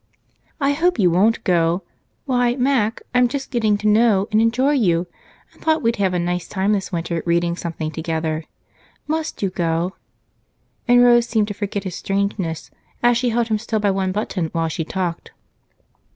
"I hope you won't go. Why, Mac, I'm just getting to know and enjoy you, and thought we'd have a nice time this winter reading something together. Must you go?" And Rose seemed to forget his strangeness, as she held him still by one button while she talked.